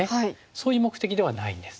そういう目的ではないんです。